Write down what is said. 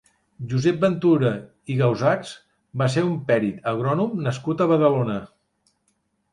Josep Ventura i Gausachs va ser un perit agrònom nascut a Badalona.